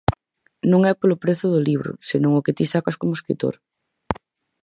Non é polo prezo do libro, senón o que ti sacas como escritor.